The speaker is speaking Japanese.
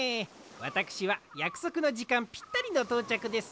わたくしはやくそくのじかんぴったりのとうちゃくです。